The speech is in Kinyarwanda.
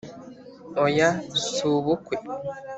oya, si ubukwe.